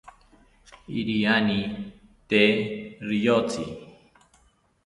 Iriani tee riyotzi